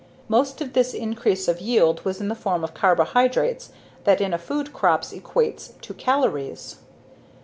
Most of this increase of yield was in the form of carbohydrates, that in a food crops equates to calories.